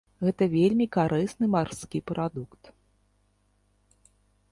Гэта вельмі карысны марскі прадукт.